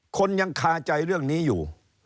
คนยังคาใจเรื่องนี้อยู่